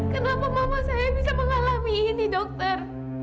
kenapa mama saya bisa mengalami ini dokter